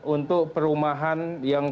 untuk perumahan yang